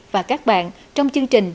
và các bạn trong chương trình